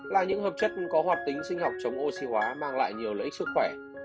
là những hợp chất có hoạt tính sinh học chống oxy hóa mang lại nhiều lợi ích sức khỏe